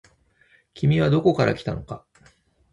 君はどこから来たのか。